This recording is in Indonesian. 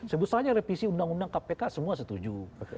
sebesarnya revisi undang undang kpk semua setuju